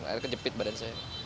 akhirnya kejepit badan saya